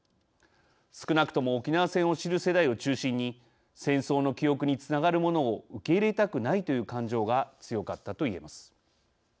少なくとも沖縄戦を知る世代を中心に戦争の記憶につながるものを受け入れたくないという感情が強かったといえます。